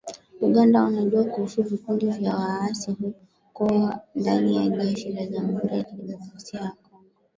Uganda wanajua kuhusu vikundi vya waasi kuwa ndani ya jeshi la Jamhuri ya Kidemokrasia ya Kongo